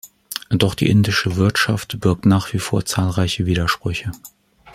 Doch die indische Wirtschaft birgt nach wie vor zahlreiche Widersprüche.